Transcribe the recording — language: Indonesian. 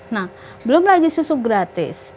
nah belum lagi susu gratis